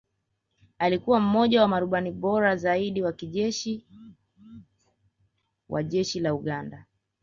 Alikuwa mmoja wa marubani bora zaidi wa kijeshi wa Jeshi la Uganda